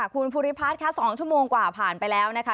คุณภูริพัฒน์ค่ะ๒ชั่วโมงกว่าผ่านไปแล้วนะคะ